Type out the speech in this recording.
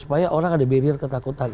supaya orang ada barrier ketakutan